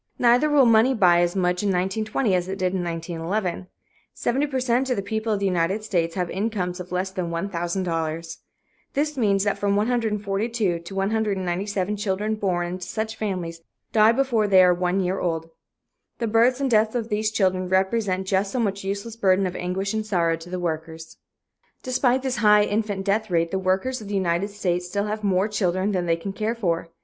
Neither will money buy as much in 1920 as it did in 1911. Seventy per cent of the people of the United States have incomes of less than $1,000. This means that from 142 to 197 children born into such families die before they are one year old. The births and deaths of these children represent just so much useless burden of anguish and sorrow to the workers. Despite this high infant death rate, the workers of the United States still have more children than they can care for.